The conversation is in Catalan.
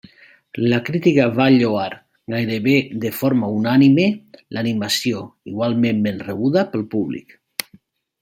La crítica va lloar gairebé de forma unànime l'animació, igualment ben rebuda pel públic.